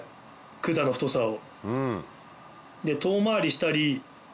管の太さを。